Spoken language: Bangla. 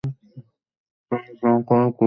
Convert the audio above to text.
তারা যা করে তদনুযায়ীই তাদেরকে প্রতিফল দেয়া হবে।